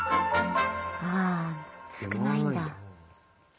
ああ少ないんだ。